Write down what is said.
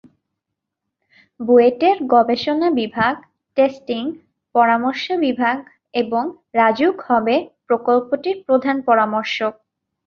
বুয়েটের গবেষণা বিভাগ, টেস্টিং, পরামর্শ বিভাগ এবং রাজউক হবে প্রকল্পটির প্রধান পরামর্শক।